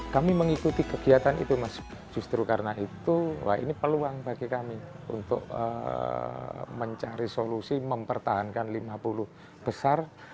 kami mengikuti kegiatan itu mas justru karena itu ini peluang bagi kami untuk mencari solusi mempertahankan lima puluh besar